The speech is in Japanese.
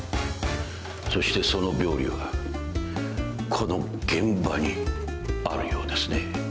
そしてその病理はこの現場にあるようですね。